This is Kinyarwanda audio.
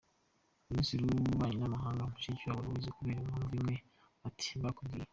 Minisitiri wUbubanyi nAmahanga, Mushikiwabo Louise kubera impamvu imwe ati Bakubwiye.